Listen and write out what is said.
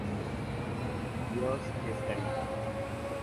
Dios es caridad.